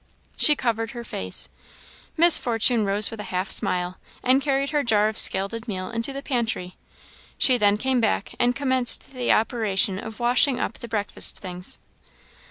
She covered her face. Miss Fortune rose with a half smile and carried her jar of scalded meal into the pantry. She then came back and commenced the operation of washing up the breakfast things.